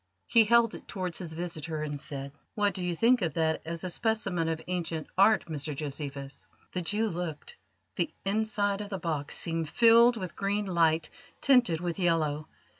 He held it towards his visitor, and said: "What do you think of that as a specimen of ancient art, Mr Josephus?" The Jew looked. The inside of the box seemed filled with green light tinted with yellow.